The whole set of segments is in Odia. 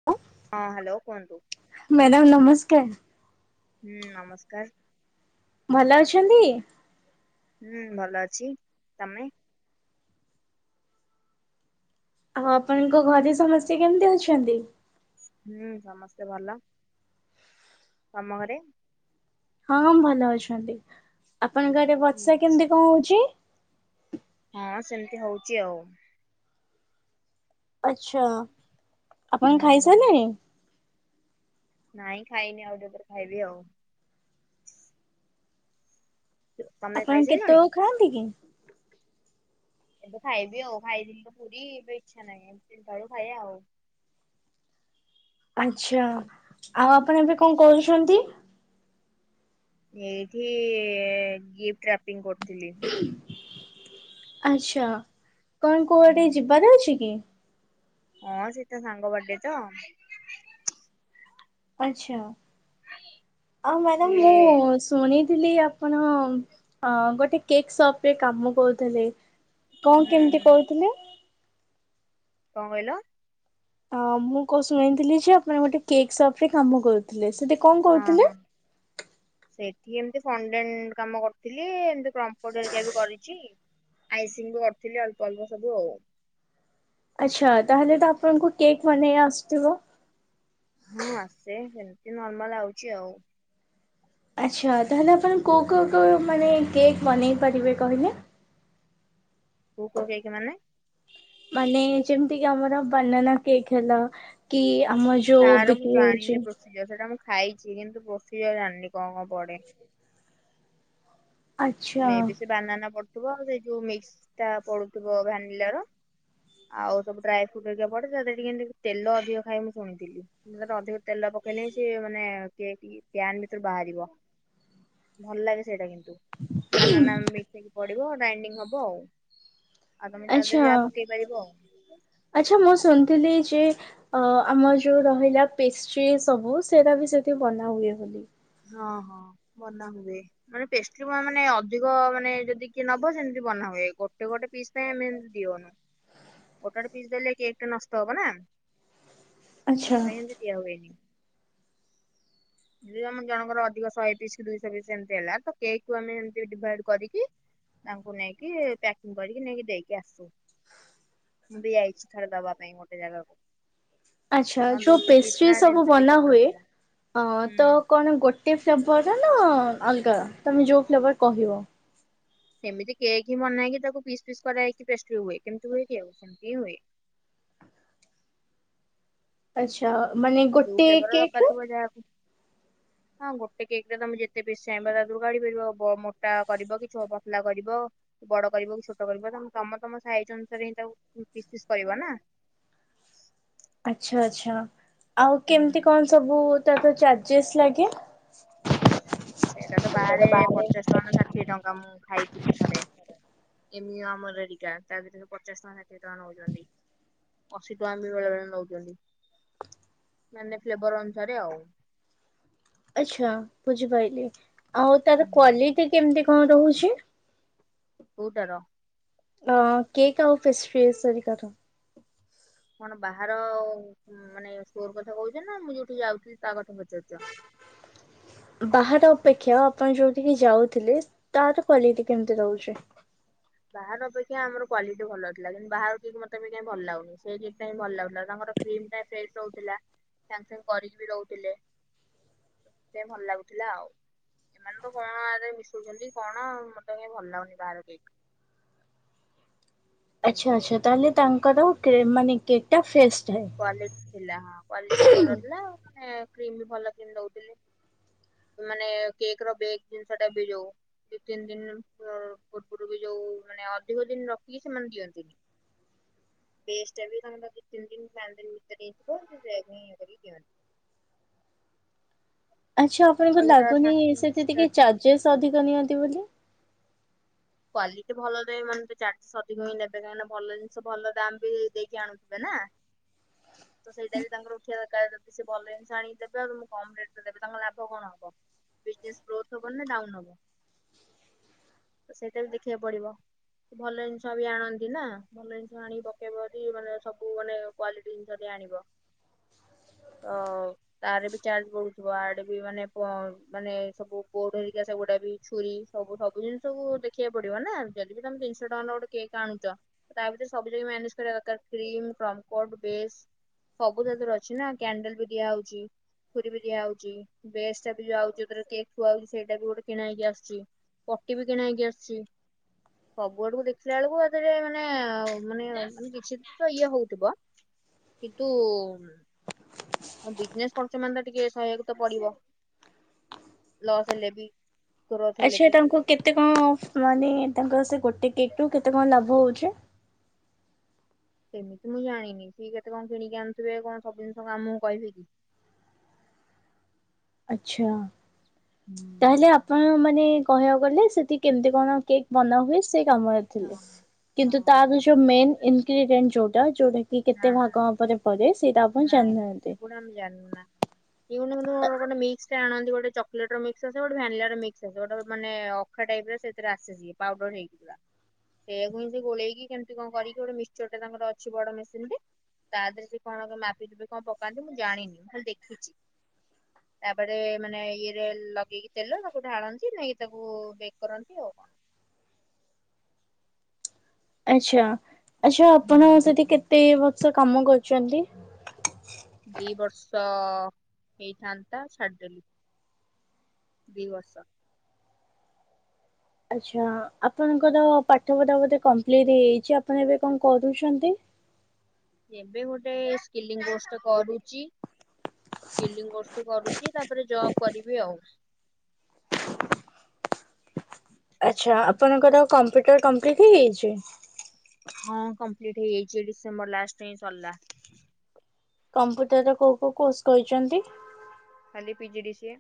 [unintelligible] ହଁ ହ୍ୟାଲୋ କୁହନ୍ତୁ? ମ୍ୟାଡ଼ାମ ନମସ୍କାର। ହୁଁ ନମସ୍କାର। ଭଲ ଅଛନ୍ତି? ହୁଁ ଭଲ ଅଛି, ତମେ? ଆଉ ଆପଣଙ୍କ ଘରେ ସମସ୍ତେ କେମିତି ଅଛନ୍ତି? ହୁଁ ସମସ୍ତେ ଭଲ। ତମ ଘରେ? ହଁ ଭଲ ଅଛନ୍ତି, ଆପଣଙ୍କ ଆଡେ ବର୍ଷା କେମିତି କଣ ହଉଛି? ହଁ ସେମିତି ହଉଛି ଆଉ। ଆଛା ଆପଣ ହୁଁ। ଖାଇ ସାଇଲେଣି? ନାଇଁ ଖାଇନି ଆଉ ଟିକେ ପରେ ଖାଇବି ଆଉ। ତମେ ଆପଣ ଖାଇସାରିଲଣି? କେତେବେଳକୁ ଖାଆନ୍ତି କି? ଏବେ ଖାଇବି ଆଉ ଖାଇଥିଲି ତ ପୁରୀ ଏବେ ଇଚ୍ଛା ନାହିଁ ତିନିଟା ବେଳକୁ ଖାଇବା ଆଉ। ଆଚ୍ଛା, ଆଉ ଆପଣ ଏବେ କଣ କରୁଛନ୍ତି? ଏଇଠି ଏ ଗିଫ୍ଟ ରାପିଙ୍ଗ କରୁଥିଲି। ଆଛା କଣ କୁଆଡେ ଯିବାର ଅଛି କି? ହଁ ସେ ତା ସାଙ୍ଗ ବର୍ଥଡେ ତ। ଆଛା, ଆଉ ସିଏ ମ୍ୟାଡ଼ାମ ମୁଁ ଶୁଣିଥିଲି ଆପଣ ଗୋଟେ କେକ୍ ସପ ରେ କାମ କରୁଥିଲେ? କଣ ହୁଁ କେମିତି ହୁଁ କହୁଥିଲେ? କଣ କହିଲ? ଅ ମୁଁ କ ଶୁଣଣିଥିଲି ଯେ ଆପଣ ଗୋଟେ କେକ୍ ସପ ରେ କାମ କରୁଥିଲେ? ସେ ହଁ ହଁ ସେଠି ଏମତି ଫଣ୍ଡେ କାମ କରିଥିଲି। ଏମତି ପ୍ରମ୍ପଡ ହେରିକା ବି କରିଛି ଆଇସିଂ ବି କରିଥିଲି ଅଳ୍ପ ଅଳ୍ପ ସବୁ ଆଉ। ଆଚ୍ଛା ତାହେଲେ ତ ଆପଣଙ୍କୁ କେକ୍ ବନେଇ ଆସୁଥିବ? ହଁ ଆସେ ସେମିତି ନର୍ମାଲ ଆଉଛି ଆଉ। ଆଚ୍ଛା ତାହେଲେ ଆପଣ କୋଉ କୋଉ କୋଉ ମାନେ କେକ୍ ବନେଇ ପାରିବେ କହିଲେ? ପୁ କ କେକ ମାନେ? ମାନେ ଯେମିତିକି ଆମର ବାନାନା କେକ୍ ହେଲା। କି ଆମ ଯୋଉ ତାର ମୁଁ ବିକ୍ରି ଜାଣିନି ହଉଛି। ସେଟା ମୁଁ ଖାଇଛି କିନ୍ତୁ ପ୍ରୋଷିଯର ଜାଣିନି କଣ କଣ ପଡେ? ଆଚ୍ଛା। ମେ ବି ସେ ବାନାନା ପଡ଼ୁଥିବ ଆଉ ସେଇ ଯୋଉ ମିକ୍ସଟା ପଡ଼ୁଥିବ ଭାନିଲାର। ଆଉ ସବୁ ଡ୍ରାଇ ଫ୍ରୁଟ୍ ହେରୀକା ପଡେ ସେଥି ଟିକି କେମିତି ତେଲ ଅଧିକ ଖାଏ ମୁଁ ଶୁଣିଥିଲି। ଅଧିକ ତେଲ ପକେଇଲେ ସେ ମାନେ କେକ ପ୍ୟାନ ଭିତରୁ ବାହାରିବ। ଭଲ ଲାଗେ ସେଇଟା କିନ୍ତୁ ବାନାନା ମିକସ ହେଇକି ପଡିବ ଡ଼ାଇଣ୍ଡିଙ୍ଗ ହବ ଆଉ। ଆଉ ତମେ ତା ଦେହରେ ଯାହା ପକେଇ ପାରିବ ଆଉ। ଆଛା ମୁଁ ଶୁଣିଥିଲି ଯେ ଅ ଆମର ଯୋଉ ରହିଲା ପେଷ୍ଟ୍ରି ସବୁ ସେଟା ବି ସେଠି ବନା ହୁଏ ବୋଲି। ହଁ ହଁ ବନା ହୁଏ। ମାନେ ପେଷ୍ଟ୍ରି ମାନେ ଅଧିକ ମାନେ ଯଦି କିଏ ନବ ସେମିତି ବନା ହୁଏ ଗୋଟେ ଗୋଟେ ପିସ୍ ପାଇଁ ଆମେ ଏମତି ଦିଅନି। ଗୋଟେ ଗୋଟେ ପିସ୍ ଦେଲେ କେକ ଟା ନଷ୍ଟ ହବ ନା। ଆଚ୍ଛା ସେଥିପାଇଁ ଏମିତି ଦିଆ ହୁଏନି। ଯଦି ଆମ ଜଣଙ୍କର ଅଧିକ ଶହେ ପିସ୍ ଦୁଇଶହ ପିସ୍ ଏମିତି ହେଲା ତ କେକ୍ କୁ ଆମେ ଏମତି ଡିଭାଇଡ କରିକି ତାଙ୍କୁ ନେଇକି ପ୍ୟାକିଂ କରିକି ନେଇକି ଦେଇକି ଆସୁ। ମୁଁ ବି ଆଇଛି ଥରେ ଦବା ପାଇଁ ଗୋଟେ ଜାଗାକୁ। ଆଚ୍ଛା ହଁ ଯୋଉ ଦୁଇଶହ ପିସ୍ ପେଷ୍ଟ୍ରି ନା ସବୁ ତିନିଶହ ପିସ୍ ବନା ଅର୍ଡର ହୁଏ ଥିଲା ଅଁ ତ ହୁଁ କଣ ଗୋଟେ ଫ୍ଲେଭର ନା ଅଲଗା ତମେ ଯୋଉ ଫ୍ଲେବର କହିବ କେମିତି କେକ୍ ହିଁ ବନା ହେକି ତାକୁ ପିସ୍ ପିସ୍ କରାଇକି ପେଷ୍ଟ୍ରି ହଏ କେମତି ହୁଏ କି ଏମତି ହିଁ ହୁଏ। ଆଚ୍ଛା ମାନେ ଯଉ ଗୋଟେ ଫ୍ଳେବର କେକ୍ ରେ ପାଟିବ ଯାଆକୁ। ହଁ ଗୋଟେ କେକ୍ ରେ ତମେ ଯେତେ ପିସ ଚାଇଁବା ତା ଦୁରୁ କାଢି ପାରିବ ମୋଟା କରିବ କି ଛଅଆ ପତଲା କରିବ। ବଡ କରିବ କି ଛୋଟ କରିବ ତା ତମ ତମ ସାଇଜ୍ ଅନୁସାରେ ହିଁ ତାକୁପିସ୍‌ ପିସ୍‌ କରିବ ନା। ଆଚ୍ଛା ଆଚ୍ଛା ଆଉ ହୁଁ କେମିତି କଣ ସବୁ ତାର ଚାର୍ଜେସ୍ ଲାଗେ ସେଇଟା ତ ବାହାରେ ପଚାଶ ଟଙ୍କା ନା ଷାଠିଏ ଟଙ୍କା ମୁଁ ଖାଇଥିଲି ଥରେ। ଏମି ଆମରରେରିକା ତା ଭିତରୁ ପଚାଶ ଟଙ୍କା ଷାଠିଏ ଟଙ୍କା ନଉଛନ୍ତି। ଅଶୀ ଟଙ୍କା ବି ବେଳେ ବେଳେ ନଉଛନ୍ତି ମାନେ ଫ୍ଲେବର ଅନୁସାରେ ଆଉ ଆଚ୍ଛା ବୁଝିପାଇଲି ଆଉ ତାର କ୍ଵାଲିଟି କେମିତି କଣ ରହୁଛି। କୋଉ ଟାର ଅ କେକ୍ ଆଉ ପେସ୍ପପ୍ରିସ୍ ହେରିକାର କଣ ବାହାର ମାନେ ସୋର କଥା କହୁଛ ନା ମୁଁ ଯୋଉଠି ଯାଉଥିଲି ତା କଥା ପଚାରୁଚ଼? ବାହାର ଅପେକ୍ଷା ଆପଣ ଯୋଉଠିକି ଯାଉଥିଲେ ତାର କ୍ଵାଲିଟି କେମତି ରହୁଚି। ବାହାର ଅପେକ୍ଷା ଆମର କ୍ୱଵାଲିଟି ଭଲ ଥିଲା କିନ୍ତୁ ବାହାର କେକ୍ ମତେ ଏମିତି କାଇଁ ଭଲ ଲାଗୁନି ସେ କେକ୍ ଟା ଭଲ ଲାଗୁଥିଲା ତାଙ୍କର କ୍ରିମ୍ଟା ସେଲ୍‌ସ୍ ରହୁଥିଲା ସାଙ୍ଗେ ସାଙ୍ଗେ କରିକି ବି ରହୁଥିଲେ। ସେ ଭଲ ଲାଗୁଥିଲା ଆଉ ଏମାନେ ଟୁ କଣ ଆରେ ମିଶଉଚ଼ନ୍ତି କଣ ମତେ କାହିଁ ଭଲ ଲାଗୁନି ବାହାର କେକ୍। ଆଚ୍ଛା ଆଚ୍ଛା ତାହେଲେ ତାଙ୍କର କେ ମାନେ କେକ୍ ଟା ଫ୍ରେଷ୍ଟରେ। କ୍ୱଵାଟି ଥିଲା ହଁ କ୍ୱାଲିଟି ଭଲ ଥିଲା ମାନେ କ୍ରିମ ବି ଭଲ କି ନଉଥିଲେ। ମାନେ କେକ୍ ର ବେକ୍ ଜିନିଷ ଟା ବି ଯୋଉ ଦି ତିନି ଦିନ ପୂର୍ବରୁ ବି ଯୋଉ ମାନେ ଅଧିକ ଦିନ ରଖିକି ସେମାନେ ଦିଅନ୍ତି। ବେଷ୍ଟ ଟା ବି ତାଙ୍କର ଦି ତିନିଦିନ ଚାରିଦିନ, ଭିତରେ ହେଇଥିବ ସେ ବ ଇଏ କରି ଦିଅନ୍ତି। ଆଚ୍ଛା ଆପଣଙ୍କୁ ଆଉ ଏଇଟା ଲାଗୁନି ସାଙ୍ଗେ ସାଙ୍ଗେ ସେଠି ଟିକେ ଇନଷ୍ଟାଣ୍ଟ ଚାର୍ଜେସ୍ ଅଧିକ ନିଅନ୍ତି ବୋଲି। କ୍ୱଵାଲିଟି ଭଲ ଦେହ ମାନେ ତ ଚାରିଶହ ଅଧିକ ହିଁ ନେବେ କାହିଁକିନା ଭଲ ଜିନିଷ ଭଲ ଦାାମ ବି ଦେଇକି ଆଣୁଥିବେ ନା। ତ ସେଇଟା ବି ତାଙ୍କର ଉଝିବା ଦରକାର ଯଦି ସେ ଭଲ ଜିନିଷ ଆଣିଦେବେ ଆଉ ମୁଁ କମ୍ ରେଟ ରେ ଦେବି ତାଙ୍କର ଲାଭ କଣ ହବ। ବିଜ୍‌ନେସ୍ ଗ୍ରୋଥ ହଵନା ଡାଉନ୍ ହବ ତ ସେଇଟା ବି ଦେଖିବାକୁ ପଡ଼ିବ। ଭଲ ଜିନିଷ ବି ଆଣନ୍ତି ନା ଭଲ ଜିନିଷ ଆଣିକି ପକେଇବ ଯଦି ମାନେ ସବୁ ମାନେ କ୍ୱାଲିଟୀ ଯଦି ଆଣିବ ତ ତାର ବି ଚାର୍ଜ ବଢୁଥିବ ଆଡେ ବି ମାନେ ପ ମାନେ ସବୁ ବୋଡ଼ ହେରିକି ସେଗୁଡା ବି ଛୁରୀ ସବୁ ସବୁ ଜିନିଷୁକ ଦେଖିବାକୁ ପଡ଼ିବ ନା ଯଦି ବି ତମେ ତିନିଶ ଟଙ୍କାର ଗୋଟେ କେକ୍ ଆଣୁଚ ତା ଭିତରେ ସବୁ ଜଦି ମ୍ୟାନେଜ କରିବା ଦରକାର୍ କ୍ରିମ, କମ୍ପଟ, ବେଶ୍ ସବୁ ଜାତିର ଅଛି ନା କ୍ୟାଣ୍ଡେଲ ବି ଦିଆ ହଉଚି। ଛୁରୀ ବି ଦିଆ ହଉଚି ବେଶ୍ ଟା ବି ଯାଉଚି ଯୋଉଥିରେ କେକ୍ ଥୁଆ ହଉଚି ସେଇଟା ବି ଗୋଟେ କିଣା ହେଇକି ଆସୁଚି। ପଟି ବି କିଣା ହେଇକି ଆସିଚି। ସବୁ ଆଡ଼କୁ ଦେଖିଲା ବେଳକୁ ଆଦରେ ମାନେ ମାନେ ମାନେ କିଛି ତ ଇଏ ହଉଥିବ। କିନ୍ତୁ ଆଉ ବିଜନେସ୍ କରୁଚେ ମାନେ ତ ଟିକେ ସହିବାକୁ ତ ପଡ଼ିବ ଲସ୍ ହେଲେ ବି। ଗ୍ରୋଥ ହେଲେ ଆଚ୍ଛା ବି ତାଙ୍କୁ କେତେ କଣ ମାନେ ତାଙ୍କର ସେ ଗୋଟେ କେକ୍ ରୁ କେତେ କଣ ଲାଭ ହଉଚି। ସେମିତି ମୁଁ ଜାଣିନି ସିଏ କେତେ କଣ କିଣିକି ଆଣୁଥିବେ କଣ ସବୁି ଜିନିଷ ଆମକୁ କହିବେକି। ଆଚ୍ଛା। ହୁଁ। ତାହେଲେ ଆପଣ ମାନେ କହିବାକୁ ଗଲେ ସେଠି କେମିତି କଣ କେକ୍ ବନାହୁଏ ସେ କାମ ହଁ ଥିଲେ ହଁ କିନ୍ତୁ ତାର ଯୋଉ ମେନ୍ ଇନଗ୍ରିଡିଏଣ୍ଟ ଯୋଉଟା ଯୋଉଟା କି ନା କେତେ ନା ଭାଗ ହବ ଦେ ପରେ ସେଇଟା ଆପ ନାଇଁ ସେଗୁଡ଼ା ମୁଁ ଜାଣିନି ନାଁ। ଇଏ କଣ ଗୋଟେ ମିକ୍ସି ଆଣନ୍ତି ଗୋଟେ ଚକୋଲେଟ୍ ର ମିକ୍ସ ଆସେ ଗୋଟେ ଭୟାନଲାର ମିକ୍ସି ଆସେ ଗୋଟେ ମାନେ ସୁଖା ଟାଇପ୍ ର ସେଇଥିରେ ଆସେ ସିଏ ପାଉଡର ହେଇକି ପୁରା। ସେଇଆକୁ ହିଁ ସେ ଗୋଳେଇକି କେମିତି କଣ କରିକି ଗୋଟେ ମିକ୍ସର ଟେ ତାଙ୍କର ଅଛି ବଡ଼ ମେସିନ୍ ଟେ ତା ଦେହରେ ସେ କଣ ଗ ମାପିଜୁପିକି କଣ ପକାନ୍ତି ମୁଁ ଜାଣିନି ମୁଁ ଖାଲି ଦେଖିଚି। [inaudible] ତାପରେ ମାନେ ଇଏରେ ଲଗେଇକି ତେଲ ତାକୁ ଢାଳନ୍ତି ନେଇକି ତାକୁ କେକ୍ କରନ୍ତି ଆଉ କଣ। ଆଚ୍ଛା ଆଚ୍ଛା ହୁଁ। ଆପଣ ସେଠି କେତେ ବର୍ଷ କାମ କରିଛନ୍ତି। ଦି ବର୍ଷ ହେଇଥାନ୍ତା ଛାଡ଼ିଦେଲି। ଦି ବର୍ଷ। ଆଚ୍ଛା ଆପଣଙ୍କର ପାଠ ପଢ଼ା ବୋଧେ କମ୍ପ୍ଲିଟ୍ ହେଇଯାଇଛି ଆପଣ ଏବେ କଣ କରୁଛନ୍ତି। ଏବେ ଗୋଟେ ସ୍କିଲିଙ୍ଗ କୋଷ୍ଟେ ଟେ କରୁଚି ଫିଲିଙ୍ଗ କୋଷ୍ଟେ କରୁଚି ତାପରେ ଜବ୍ କରିବି ଆଉ। ଆଚ୍ଛା ଆପଣଙ୍କର କମ୍ପ୍ୟୁଟର କମ୍ପିଲ୍ଟ ହେଇଯାଇଛି। ହଁ କମ୍ପିଲ୍ଟ ହେଇଯାଇଛି ଡିସେମ୍ବର ଲାଷ୍ଟେ ଏଇ ସରିଲା। କମ୍ପୁଟର ର କୋଉ କୋଉ କୋର୍ସ କରିଚନ୍ତି। ଖାଲି ପି ଜି ଡ଼ି ସିଏ।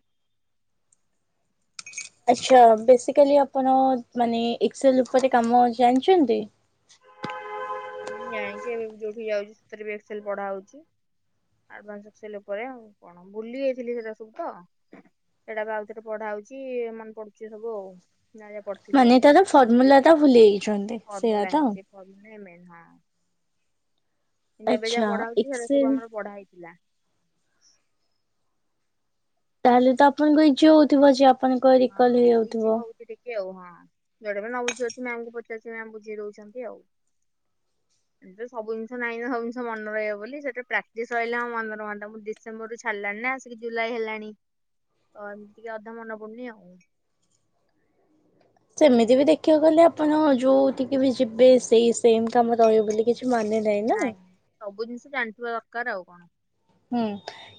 ଆଛା ବେସିକାଲି ଆପଣ ମାନେ ଏକସେଲ ଉପରେ କାମ ଜାଣିଚନ୍ତି। ହୁଁ ଜାଣିଛି ଏବେ ମୁ ଯୋଉଠିକି ଯାଉଛି ସେଥିରେବି ଏକସେଲ ପଢା ହଉଛି। ଆଡଭାନ୍ ସେ ସେଲୋପରେ ଆଉ କଣ ଭୁଲି ଯାଇଥିଲି ସେରା ସବୁ ତ ଏଇଟା ପା ଆଉଥରେ ପଢା ହଉଚି ମନେ ପଡ଼ୁଚି ସବୁ ଆଉ ଯାହା ଯାହା ପଡ଼ି ମାନେ ତାର ଫର୍ମୁଲା ଟା ଭୁଲି ଯାଇଛନ୍ତି ସେଇଆ ତ। କର୍ମେମେ [unintelligible] ହଁ। କିନ୍ତୁ ଏବେ ଯାହା ଆଚ୍ଛା ପଢା ହଉଚି ସେଇରା ସବୁ ଏକ୍ସେଲ ଆମର ପଢା ହେଇଥିଲା। ତାହେଲେ ତ ଆପଣଙ୍କ ଇଯି ହଉଥିବ ଯେ ଆପ ହଁ ଇଜି ହୋଇଥିଲେ ଆଉ ହଁ ଯୋଉଟା ନ ବୁଝି ପାରୁଚି ମ୍ୟାାମଙ୍କୁ ପଚାରୁଚି ମ୍ୟାମ ବୁଝେଇ ଦଉଛନ୍ତି ଆଉ। [inaudible] ଏଟାରେ ସବୁ ଜିନିଷା ନାଇଁନା ସବୁ ଜିନିଷ ମନେ ରହିବ ବୋଲି ସେଟା ପ୍ରାଟିସ୍‌ ରହିଲେ ହଁ ମନ ରୁହନ୍ତା ମୁ ଡି ଡିସେମ୍ବରରୁୁ ଛାଡିଲାଣି ନା ଆସିକି ଜୁଲାଇ ହେଲାଣି ତ ଏମିତି ଅଧା ମନେ ପଡ଼ୁନି। ଆଉ ସେମିତି ବି ଦେଖିବାକୁ ଗଲେ ଆପଣ ଯଉଠିକି ବି ଯିବେ ସେଇ ସେମ୍ କାମ ରହିବ ବୋଲି କିଛି ମାନେ ନାହିଁ ନା। ନାଇଁ ସବୁ ଜିନିଷ ଜାଣିଥିବା ଦରକାର ଆଉ କଣ। ହୁଁ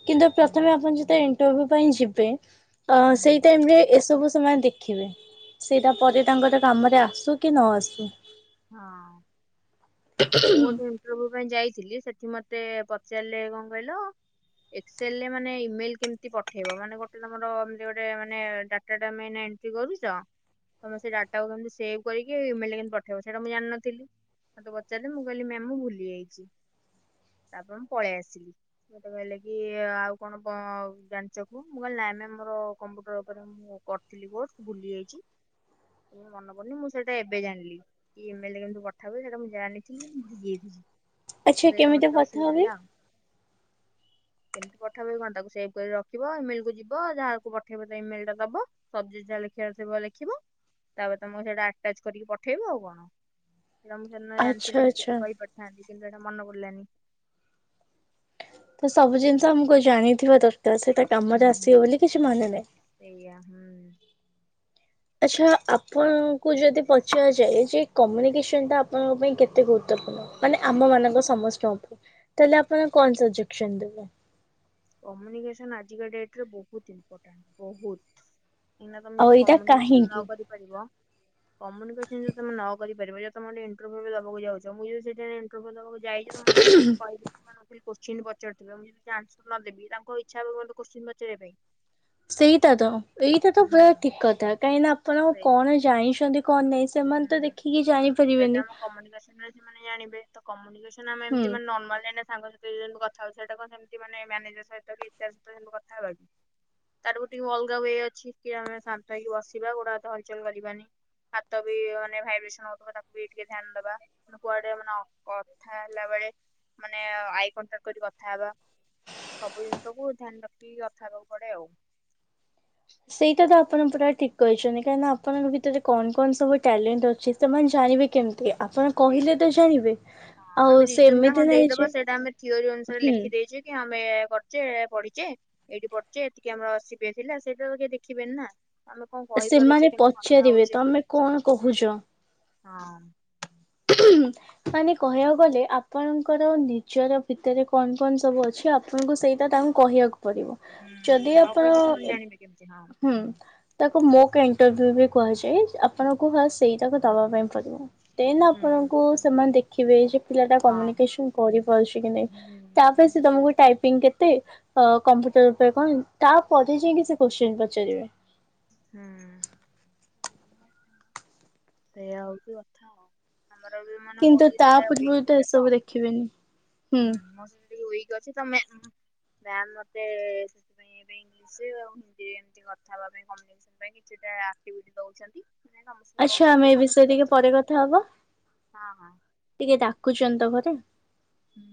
କିନ୍ତୁ ହୁଁ ପ୍ରଥମେ ଆପଣ ଯେତେବେଳେ ଇଣ୍ଟରଭ୍ୟୁ ପାଇଁ ଯିବେ ଅ ହୁଁ। ସେଇ ଟାଇମ ରେ ଏସବୁ ସେମାନେ ଦେଖ ଦେଖିବେ ସେଇଟା ପରେ ତାଙ୍କର କାମରେ ଆସୁ କି ନ ଆସୁ ହଁ ମୋ ଠେଇଁ ପାଇଁ ଯାଇଥିଲି ସେଠି ମତେ ପଚାରିଲେ କଣ କହିଲ ଏକ୍ସଲ ରେ ମାନେ ଇମେଲ କେମିତି ପଠେଇବ ମାନେ ଗୋଟେତମର ଏମତି ଗୋଟେ ମାନେ ଡା ଡାଟା ମେନ ଏଣ୍ଟ୍ରି କରୁଚ ତମେ ସେ ଡାଟାକୁ କେମିତି ସେଭ୍ କରିକି ଇମେଲରେ କେମତି ପଠେ ସେଇଟା ମୁଁ ଜାଣିନଥିଲି ମତେ ପଚାରିଲେ ମୁଁ କହିଲି ମ୍ୟାମ ମୁ ଭୁଲି ଯାଇଛି। ତାପରେ ମୁଁ ପଳେଇ ଆସିଲି। ମୋତେ କହିଲେ କି ଆଉ କଣ କଁ ଜାଣିଛ କୁହ ମୁଁ କହିଲି ନାଇଁ ମ୍ୟାମ ମୋର କମ୍ପୁଟର ଉପରେ ମୁଁ କରିଥିଲି କୋର୍ସ ଭୁଲି ଯାଇଛି ଉଁ ମନେ ପଡୁନି ମୁଁ ସେଇଟା ଏବେ ଜାଣିଲି। ଇ ମେଲ ରେ କେମିତି ପଠା ହୁଏ ସେଇଟା ମୁଁ ଜାଣି ଥିଲି ଭୁଲି ଯାଇଚି। ଆଚ୍ଛା କେମିତି ପଥା ହୁଏ? କେମିତି ପଠା ହୁଏ କଣ ତାକୁ ସେଭ କରି ରଖିବ ଇମେଲ କୁ ଯିବ ଯାହାକୁ ପଠେଇବ ତା ଇମେଲ ଟା ଦବ। ସବଜେଟ ଯା ଲେଖିଆରେ ଥିବ ଲେଖିବ ତାପରେ ତମକୁ ସେଇଟା ଆଟାଚ କରିକି ପଠେଇବ ଆଉ କଣ ନା ମୁଁ ସେଦିନ ଆଚ୍ଛା ଆଣିଥିଲି ଆଚ୍ଛା। ସେତିକି କହିପାରିଥାନ୍ତି କିନ୍ତୁ ସେଇଟା ମନ ପଡିଲାନି। ତ ସବୁ ଜିନିଷ ଆମୁକୁ ଜାଣିଥିବା ଦରକାର ସେଇଟା କାମରେ ହୁଁ ଆସିବ ବୋଲି କିଛି ମାନେ ନାହିଁ। ସେଇଆ ହୁଁ। ଆଚ୍ଛା ଆପଣଙ୍କୁ ଯଦି ପଚାରାଯାଏ ଯେ କମୁନିକେସନ୍ ଟା ଆପଣଙ୍କ ପାଇଁ କେତେ ଗୁରୁତ୍ୱପୂର୍ଣ୍ଣ? ମାନେ ଆମ ମାନଙ୍କ ସମସ୍ତଙ୍କ ପାଇଁ ତାହେଲେ ଆପଣ କଣ ସଜେକ୍ସନ ଦେବେ? କମୁନିକେସନ ଆଜିକା ଡେଟରେ ବହୁତ ଇମ୍ପୋର୍ଟାଣ୍ଟ ବହୁତ୍ ଏଇନା ତମେ ଆଉ ଯଦି ଏଇଟା କମ୍ୟୁନିକେସନ ନ କାହିଁକି? କରିପାରିବ କମୁନିକେସନ ଯଦି ତମେ ନ କରିପାରିବ ଯଦି ତମେ ମାନେ ଇଣ୍ଟ୍ରଭୁ ଦେବାକୁ ଯାଉଛ ମୁଁ ଯଦି ସେଇ ଟାଇମ ରେ ଇଣ୍ଟ୍ରଭୁ ଦବାକୁ ଯାଇଛିିବ ମୁଁ ଯଠିକ କହି କୋଶ୍ଚି ପଚାରୁଥିବ ମୁଁ ଯଦି ଚାନ୍ [unintelligible] ନ ଦେବି ତାଙ୍କ ଇଚ୍ଛା ହେବ [unintelligible] କୋଶ୍ଚିନ ପଚାରିବା ପାଇଁ ସେଇଟା ତ ଏଇଟା ତ ହୁଁ ପୁରା ଠିକ କଥା କାହିଁ ନା ଆପଣ ସେଇ କଣ ଜାଣିଛନ୍ତି କଣ ନେଇଁ ସେମାନେ ତ ଦେଖିକି ଜାଣିପାରିବେନି। କମୁନି କେସନ ହେଇଚି ମାନେ ଜାଣିବେ ତ କମୁନି କେସନ ଆମେ ହୁଁ। ଏମତି ମାନେ ନର୍ମାଲରେ ସାଙ୍ଗ ସେ ଯେମିତି କଥା ହଉଛି ସେଇଟା କଣ ସେମିତି ମାନେ ମ୍ୟାନେଜର ସହିତ କି ତା ସହିତ ସେମିତ କଥା ହବା କି? ତାରବି ଟିମ୍ ଅଲଗା ୱେ ଅଛି କି ଆମେ ଶାନ୍ତ ହେଇକି ବସିବା ଗୋଡ ହାତ ହଲଚଲ କରିବାନି। ତ ବି ମାନେ ଭାଇବ୍ରେସନ ହଉଥିବ ତାକୁ ବି ଟିକେ ଧ୍ୟାନ ଦବା। ମାନେ କୁଆଡେ ମନ କଥା ହେଲା ବେଳେ ମାନେ ଆଇ କଣ୍ଟାଟ କରି କଥା ହେବା। ସବୁ ଜିନିଷକୁୁ ଧ୍ୟାନ ରଖି କଥା ହେବାକୁ ପଡେ ଆଉ ସେଇଟା ତ ଆପଣ ପୁରା ଟିକ୍ କହିଛନ୍ତି କାହିଁ ନା ଆପଣଙ୍କ ଭିତରେ କଣ କଣ ସବୁ ଟ୍ୟାଲେଣ୍ଟ ଅଛି ସେମାନେ ହୁଁ ଜାଣିବେ କେମତି ଆପଣ ସେଇଆ କହିଲେ ତ ଜାଣିବେ ହଁ ଆଉ ଆମେ ରିଜୁମ ଟା ହଁ ସେମିତି ନାହିଁ ଦେଇଦବା ଯେ ସେଇଟା ଆମେ ଥିଓରି ଅନୁସାରେ ହୁଁ ଲେଖି ଦେଇଚନ୍ତି ଆମେ କରିଚେ ପଢିଚେ ଏଇଠି ପଡୁଛେ ଏତିକି ଆମର ଆସିବେ ଥିଲା ସେଇଟା ତ କିଏ ଦେଖିବେନି ନା? ଆମେ କଣ ସେମାନେ କହିପାରୁଛେ କେମତି କଥା ପଚାରିବେ ହଉଛେ ତମେ କଣ କହୁଛ? ହଁ। [unintelligible] ମାନେ କହିଆକୁ ଗଲେ ଆପଣଙ୍କର ନିଜର ଭିତରେ କଣ କଣ ସବୁ ଅଛି ଆପ ଆପଣଙ୍କୁ ସେଇଟା ତାଙ୍କୁ କହିବାକୁ ପଡିବ ହୁଁ ଯଦି ନ ଆପଣ କହିଲେ ସେମାନେ ଜାଣିବେ କେମିତି ହଁ ହୁଁ ତାକୁ ମୋକା ଇଣ୍ଟରଭୁ ବି କୁହାଯାଏ ଆପଣଙ୍କୁ ଫାସ ସେଇଟାକୁ ଦବା ପାଇଁ ପଡିବ ଦେନ ହୁଁ ଆପଣଙ୍କୁ ସେମାନେ ଦେଖିବେ ଯେ ପିଲା ଟା ହଁ କମ୍ୟୁନିକେସନ କରିପାରୁଛି କି ନାଇଁ ହୁଁ ତା ସେ ତମକୁ ଟାଇପିଙ୍ଗ କେତେ ଅ କମ୍ପ୍ୟୁଟର ଉପରେ କଣ ତାପରେ ଯାଇକି ସେ କୋଶ୍ଚିନ ପଚାରିବେ। ହୁଁ। ସେଇଆ ହଉଛି କଥା ଆଉ। ଆମର ବି ମାନେ ମୋର କିନ୍ତୁ ଟିକେ ତା ସେଟା ପୂର୍ବରୁ ଓ୍ଵିକ ଥିଲା ତ ଏସବୁ ଦେଖିବେନି ହୁଁ। ହୁଁ ମୋର ସେ ଯଦି ଓ୍ଵିକ ଅଛି ତମେ ଉଁ ମ୍ୟାମ ମତେ ସେଥିପାଇଁ ଇଂଶି ଆଉ କିଏ ଏମତି କଥା ହବା ପାଇଁ କମ୍ୟୁନିକେସନ କିଛି ଟା ଆକ୍ତିଭିଟି ଦଉଚନ୍ତି। ସେ ସମସ୍ତଙ୍କୁ ଆଚ୍ଛା ଆମେ କହୁଚନ୍ତି ଏ ବିଷୟରେ ସମସ୍ତେ ଟିକେ ପରେ କଥା ହବା କରୁଛନ୍ତି ହଁ -ହଁ। ଟିକେ ଡାକୁଚନ୍ତି ତ ଘରେ। ହୁଁ।